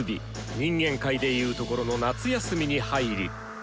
人間界で言うところの夏休みに入り。